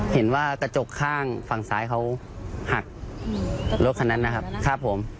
เห็นว่ากระจกข้างฝั่งซ้ายเขาหักรถคันนั้นนะครับผม